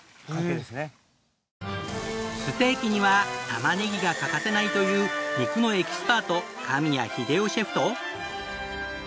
ステーキにはたまねぎが欠かせないという肉のエキスパート神谷英生シェフと。